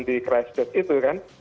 di keras itu kan